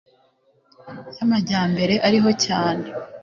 Ya majyambere ariho cyane